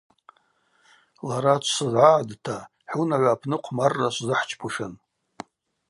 Лара дшвызгӏагӏдта хӏунагӏва апны хъвмарра швзыхӏчпушын.